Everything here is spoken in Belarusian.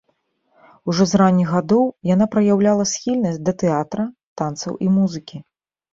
Ужо з ранніх гадоў яна праяўляла схільнасць да тэатра, танцаў і музыкі.